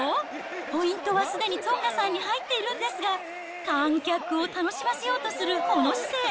ポイントはすでにツォンガさんに入っているんですが、観客を楽しませようとするこの姿勢。